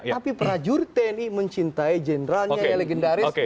tapi prajurit tni mencintai jenderalnya yang legendaris